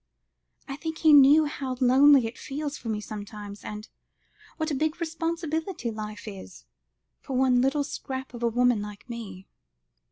I think he knew how lonely it feels for me sometimes, and what a big responsibility life is, for one little scrap of a woman like me."